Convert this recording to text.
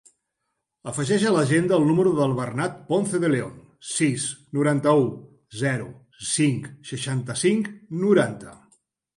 Afegeix a l'agenda el número del Bernat Ponce De Leon: sis, noranta-u, zero, cinc, seixanta-cinc, noranta.